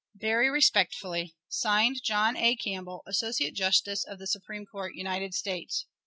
Very respectfully, (Signed) JOHN A. CAMPBELL, _Associate Justice of the Supreme Court, United States.